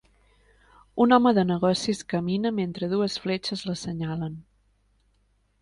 Un home de negocis camina mentre dues fletxes l'assenyalen